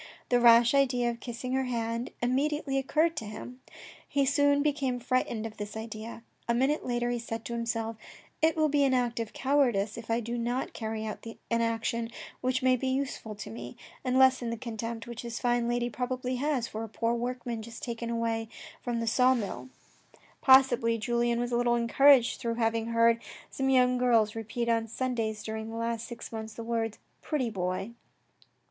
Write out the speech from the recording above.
The rash idea of kissing her hand immediately occurred to him. He soon became frightened of his idea. A minute later he said to himself, it will be an act of cowardice if I do not carry out an action which may be useful to me, and lessen the contempt which this fine lady probably has for a poor workman just taken away from the ENNUI 31 saw mill. Possibly Julien was a little encouraged through having heard some young girls repeat on Sundays during the last six months the words " pretty boy."